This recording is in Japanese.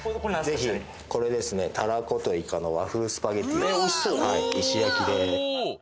ぜひこれですねタラコとイカの和風スパゲッティですえっ